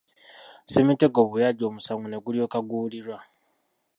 Ssemitego bwe yajja omusango ne gulyoka guwulirwa.